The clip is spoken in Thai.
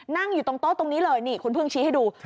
นั่งอยู่ตรงโต๊ะตรงนี้เลยนี่คุณเพิ่งชี้ให้ดู